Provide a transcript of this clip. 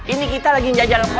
ini kita lagi ngejajal telepon